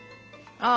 ああ。